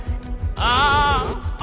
ああ！